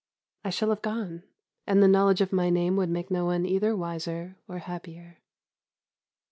I shall have gone, and the knowledge of my name would make no one either wiser or happier."